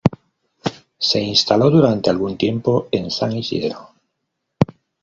Se instaló durante algún tiempo en San Isidro.